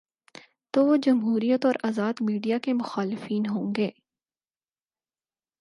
تو وہ جمہوریت اور آزاد میڈیا کے مخالفین ہو ں گے۔